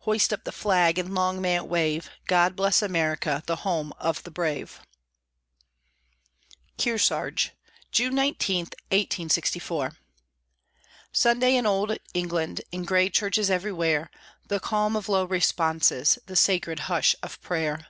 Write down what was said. Hoist up the flag, and long may it wave, God bless America, the home of the brave! KEARSARGE [June 19, 1864] Sunday in Old England: In gray churches everywhere The calm of low responses, The sacred hush of prayer.